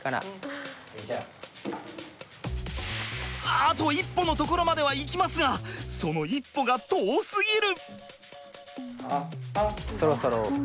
あと一歩のところまではいきますがその一歩が遠すぎる！